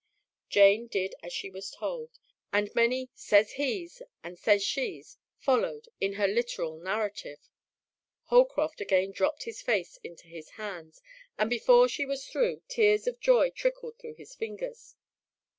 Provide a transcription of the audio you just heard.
Jane did as she was told, and many "says he's" and "says she's" followed in her literal narrative. Holroft again dropped his face into his hands, and before she was through, tears of joy trickled through his fingers.